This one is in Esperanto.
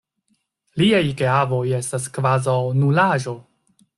Liaj geavoj estas kvazaŭ nulaĵo.